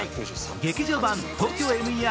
「劇場版ＴＯＫＹＯＭＥＲ